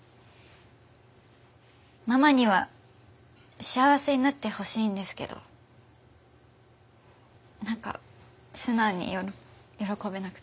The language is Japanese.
ママには幸せになってほしいんですけどなんか素直に喜べなくて。